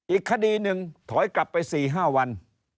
อีกคดีหนึ่งถอยกลับไป๔๕วัน